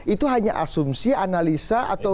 itu hanya asumsi analisa atau